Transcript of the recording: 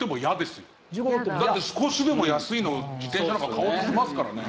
だって少しでも安いのを自転車なんかは買おうとしますからね。